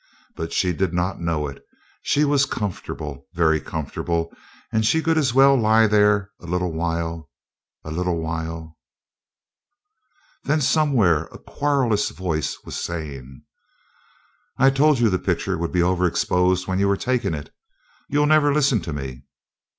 But she did not know it she was comfortable, very comfortable, and she could as well lie there a little while a little while Then somewhere a querulous voice was saying: "I told you the picture would be overexposed when you were takin' it. You'll never listen to me."